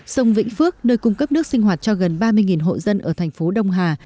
sông vĩnh phước nơi cung cấp nước sinh hoạt cho gần ba mươi hộ dân ở thành phố đông hà